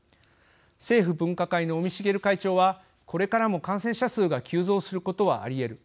政府分科会の尾身茂会長は「これからも感染者数が急増することはありえる。